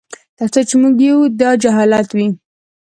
تر څو چي موږ یو داجهالت وي